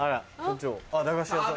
駄菓子屋さん。